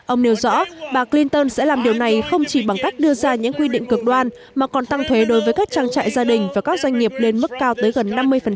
ông nêu rõ bà clinton sẽ làm điều này không chỉ bằng cách đưa ra những quy định cực đoan mà còn tăng thuế đối với các trang trại gia đình và các doanh nghiệp lên mức cao tới gần năm mươi